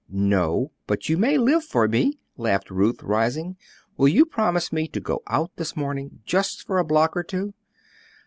"No, but you may live for me," laughed Ruth, rising; "will you promise me to go out this morning, just for a block or two?"